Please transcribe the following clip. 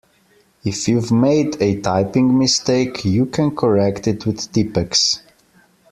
If you've made a typing mistake you can correct it with Tippex